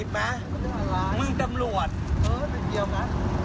แน่จริงอ่ะ